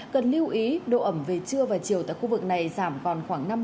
cần lưu ý độ ẩm về trưa và chiều tại khu vực này giảm còn khoảng năm mươi